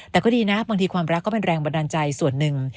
แต่ก็ดีนะบางทีความรักก็เป็นแรงบันดาลใจส่วนหนึ่ง